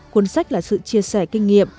cuốn sách là sự chia sẻ kinh nghiệm